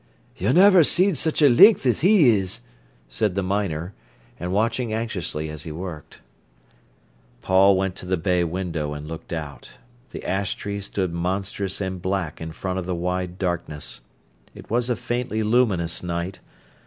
"You niver seed such a length as he is!" said the miner, and watching anxiously as he worked. Paul went to the bay window and looked out. The ash tree stood monstrous and black in front of the wide darkness. It was a faintly luminous night.